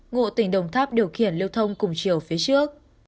ngụ tỉnh đồng tắc điều khiển